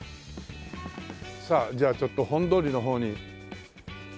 さあじゃあちょっと本通りの方に出てみますか。